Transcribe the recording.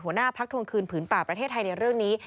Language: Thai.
หัวหน้าพักทวงคืนผืนป่าประเทศไทยในเรื่องนี้